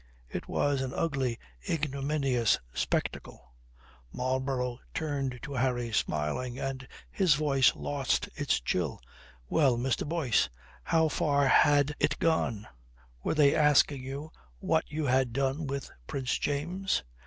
It was an ugly, ignominious spectacle. Marlborough turned to Harry, smiling, and his voice lost its chill: "Well, Mr. Boyce, how far had it gone? Were they asking you what you had done with Prince James?"